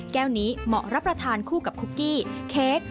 แก้วนี้เหมาะรับประทานคู่กับคุกกี้เค้ก